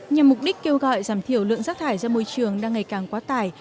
nhằm mục đích kêu gọi giảm thiểu lượng rác thải ra môi trường đang ngày càng quá tải